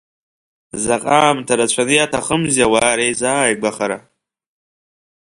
Заҟа аамҭа рацәаны иаҭахымзеи ауаа реизааигәахара.